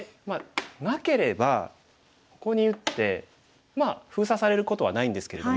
なければここに打って封鎖されることはないんですけれども。